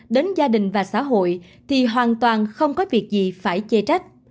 đến gia đình và xã hội thì hoàn toàn không có việc gì phải chê trách